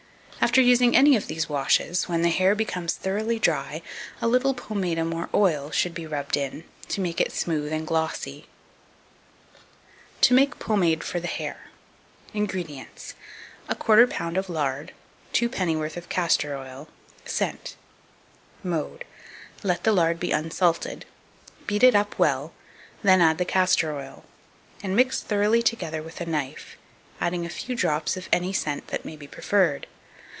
After using any of these washes, when the hair becomes thoroughly dry, a little pomatum or oil should be rubbed in, to make it smooth and glossy. To make Pomade for the Hair. 2253. INGREDIENTS. 1/4 lb. of lard, 2 pennyworth of castor oil; scent. Mode. Let the lard be unsalted; beat it up well; then add the castor oil, and mix thoroughly together with a knife, adding a few drops of any scent that may be preferred.